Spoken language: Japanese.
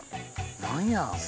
何や。